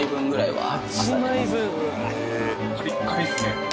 カリッカリですね。